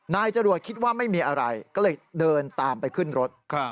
นายจรวดคิดว่าไม่มีอะไรก็เลยเดินตามไปขึ้นรถ